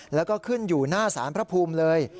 แล้วก็ขึ้นอยู่หน้าสารพระภูมิเลย